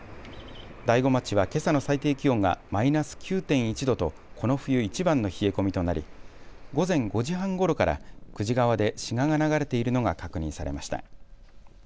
大子町はけさの最低気温がマイナス９．１度とこの冬いちばんの冷え込みとなり午前５時半ごろから久慈川でシガが流れているのが確認されました。